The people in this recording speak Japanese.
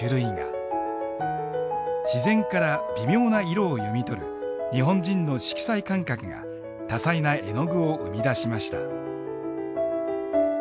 自然から微妙な色を読み取る日本人の色彩感覚が多彩な絵の具を生み出しました。